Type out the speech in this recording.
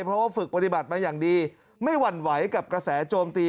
เพราะว่าฝึกปฏิบัติมาอย่างดีไม่หวั่นไหวกับกระแสโจมตี